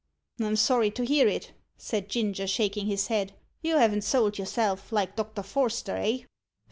"I'm sorry to hear it," said Ginger, shaking his head. "You haven't sold yourself, like Doctor Forster eh?"